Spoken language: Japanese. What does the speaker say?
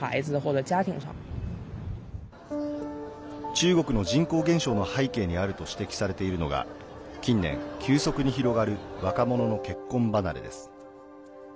中国の人口減少の背景にあると指摘されているのが近年、急速に広がる若者の結婚離れです。